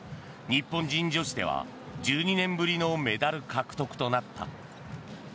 日本人女子では１２年ぶりのメダル獲得となった。